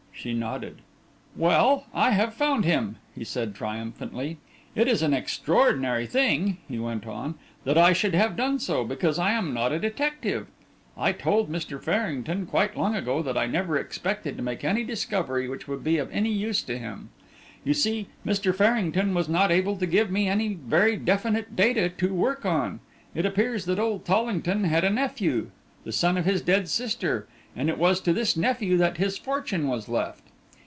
She nodded. "Well, I have found him," he said, triumphantly; "it is an extraordinary thing," he went on, "that I should have done so, because I am not a detective. I told Mr. Farrington quite a long time ago that I never expected to make any discovery which would be of any use to him. You see Mr. Farrington was not able to give me any very definite data to work on. It appears that old Tollington had a nephew, the son of his dead sister, and it was to this nephew that his fortune was left.